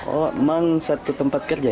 oh memang satu tempat kerja ya